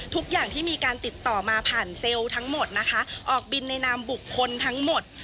ทุกอย่างที่มีการติดต่อมาผ่านเซลล์ทั้งหมดนะคะออกบินในนามบุคคลทั้งหมด